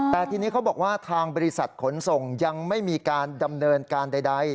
แต่ทีนี้เขาบอกว่าทางบริษัทขนส่งยังไม่มีการดำเนินการใด